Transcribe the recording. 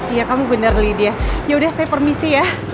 iya kamu bener lydia yaudah saya permisi ya